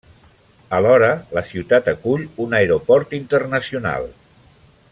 Alhora, la ciutat acull un aeroport internacional.